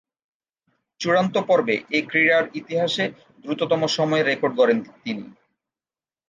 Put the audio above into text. চূড়ান্ত পর্বে এ ক্রীড়ার ইতিহাসে দ্রুততম সময়ের রেকর্ড গড়েন তিনি।